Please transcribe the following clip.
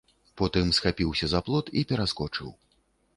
Потым схапіўся за плот і пераскочыў.